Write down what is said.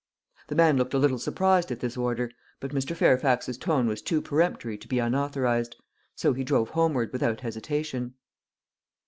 The man looked a little surprised at this order, but Mr. Fairfax's tone was too peremptory to be unauthorised; so he drove homeward without hesitation.